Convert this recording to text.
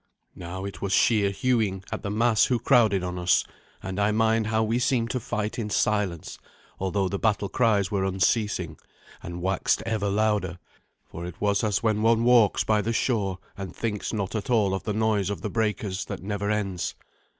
Now it was sheer hewing at the mass who crowded on us; and I mind how we seemed to fight in silence, although the battle cries were unceasing, and waxed ever louder; for it was as when one walks by the shore and thinks not at all of the noise of breakers that never ends.